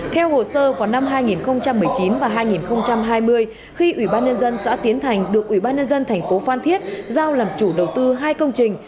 theo hồ sơ vào năm hai nghìn một mươi chín và hai nghìn hai mươi khi ubnd xã tiến thành được ubnd tp phan thiết giao làm chủ đầu tư hai công trình